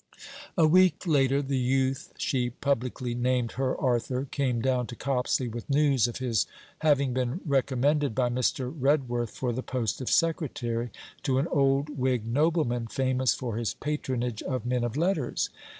A week later, the youth she publicly named 'her Arthur' came down to Copsley with news of his having been recommended by Mr. Redworth for the post of secretary to an old Whig nobleman famous for his patronage of men of letters.